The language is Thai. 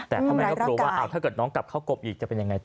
แต่พ่อแม่ก็กลัวว่าถ้าเกิดน้องกลับเข้ากบอีกจะเป็นยังไงต่อ